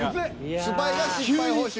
スパイが失敗報酬